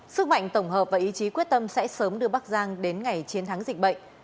sức mạnh tổng hợp và ý chí quyết tâm sẽ sớm đưa bắc giang đến ngày chiến thắng dịch bệnh